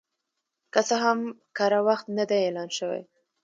که څه هم کره وخت نه دی اعلان شوی